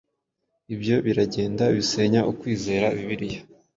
ibyo biragenda bisenya ukwizera Bibiliya